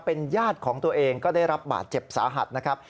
เป็นญาติของตัวเองก็ได้รับบาดเจ็บสาหัสนะครับ